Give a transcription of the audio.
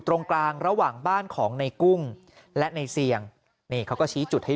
ตรงกลางระหว่างบ้านของในกุ้งและในเสี่ยงนี่เขาก็ชี้จุดให้